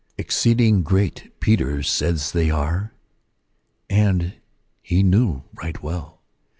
Exceeding ^^greaf Peter says they are ; ana ^^ knew right well.